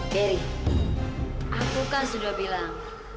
dery aku kan sudah bilang